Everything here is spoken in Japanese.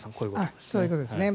そういうことですね。